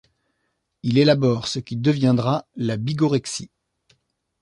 Il élabore ce qui deviendra la bigorexie.